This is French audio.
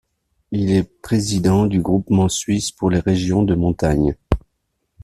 Il est président du Groupement suisse pour les régions de montagne.